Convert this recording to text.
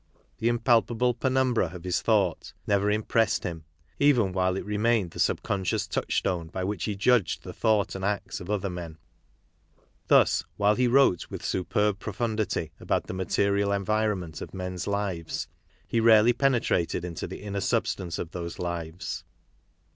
The impalpable penumbra of his thought never im pressed him, even while it remained the subconscious touchstone by which he judged the thought and acts of other men. Thus, while he wrote with superb pro fundity about the material environment of men's lives, he rarely penetrated into the inner substance of those lives.